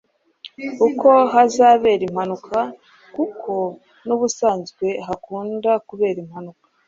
uko hazabera impanuka kuko n’ubusanzwe hakunda gubera impanuka.